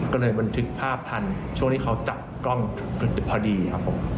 ก็เลยบันทึกภาพทันช่วงที่เขาจับกล้องพอดีครับผม